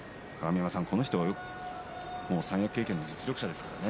この人は三役経験の実力者ですね。